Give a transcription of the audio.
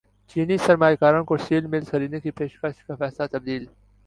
چینی سرمایہ کاروں کو اسٹیل ملز خریدنے کی پیشکش کا فیصلہ تبدیل